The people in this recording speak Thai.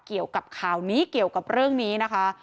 เกี่ยวกับข่าวนี้เกี่ยวกับเรื่องนี้นะคะ